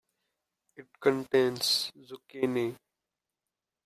It contains Zucchini.